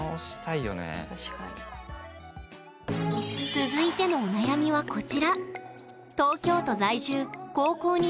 続いてのお悩みは、こちら。